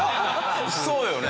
そうよね。